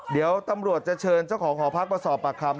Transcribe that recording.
เดี๋ยวตำรวจจะเชิญเจ้าของหอพักมาสอบปากคำ